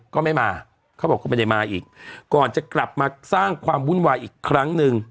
ก็ไม่มาเขาบอกก็ไม่ได้มาอีกก่อนจะกลับมาสร้างความวุ่นวายอีกครั้งหนึ่ง